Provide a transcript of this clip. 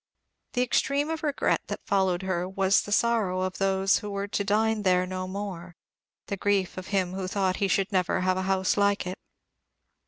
The extreme of regret that followed her was the sorrow of those who were to dine there no more; the grief of him who thought he should never have a house like it.